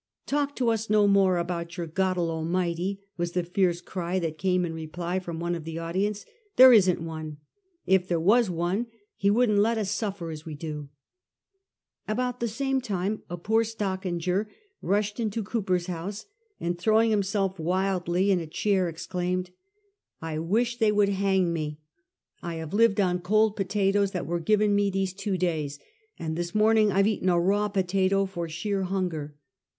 ' Talk to us no more about thy Goddle Mighty,' was the fierce cry that came in reply from one of the audience ;' there isn't one ! If there was one, he wouldn't let us suffer as we do !' About the same time a poor stockinger rushed into Cooper's house, and throwing himself wildly on a chair, exclaimed, 'I wish they 1842. 'THE TWO NATIONS.' 125 ■would hang me. I have lived on cold potatoes that were given me these two days, and this morning I've eaten a raw potato for sheer hunger.